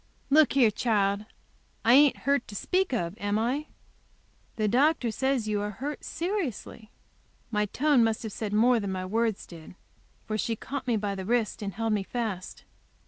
"Look here, child, I ain't hurt to speak of, am I?" "The doctor says you are hurt seriously." My tone must have said more than my words did for she caught me by the wrist and held me fast.